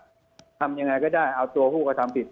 เพราะว่าทำยังไงก็ได้เอาตัวผู้กระทำผิด